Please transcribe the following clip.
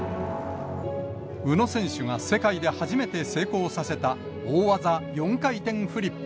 宇野選手が世界で初めて成功させた大技、４回転フリップ。